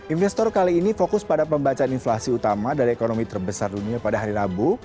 investor kali ini fokus pada pembacaan inflasi utama dari ekonomi terbesar dunia pada hari rabu